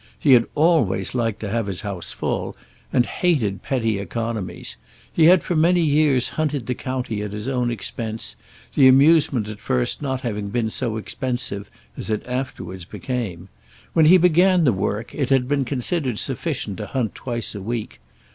He had always liked to have his house full, and had hated petty oeconomies. He had for many years hunted the county at his own expense, the amusement at first not having been so expensive as it afterwards became. When he began the work, it had been considered sufficient to hunt twice a week.